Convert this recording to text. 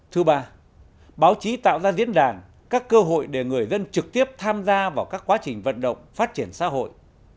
thứ ba báo chí tạo ra diễn đàn các cơ hội để người dân trực tiếp tham gia vào các quá trình vận động phát triển xã hội